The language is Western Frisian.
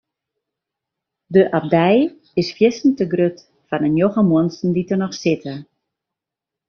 De abdij is fierstente grut foar de njoggen muontsen dy't der noch sitte.